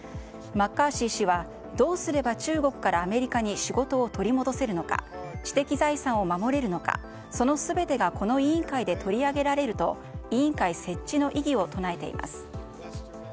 マッカーシー氏はどうすれば中国からアメリカに仕事を取り戻せるのか知的財産を守れるのかその全てがこの委員会で取り上げられると委員会設置の意義を唱えています。